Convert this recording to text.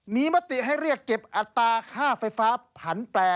มีมติให้เรียกเก็บอัตราค่าไฟฟ้าผันแปล